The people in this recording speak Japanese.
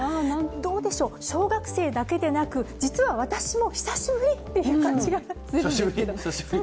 どうでしょう、小学生だけでなく実は私も久しぶり！っていう感じがするんですけど。